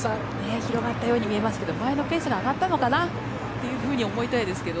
広がったように見えますけど前のペースで上がったのかなと思いたいですけど。